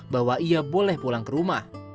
bahwa ia boleh pulang ke rumah